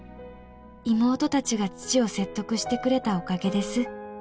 「妹達が父を説得してくれたおかげです」